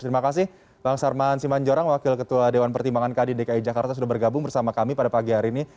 terima kasih bang sarman simanjorang wakil ketua dewan pertimbangan kd dki jakarta sudah bergabung bersama kami pada pagi hari ini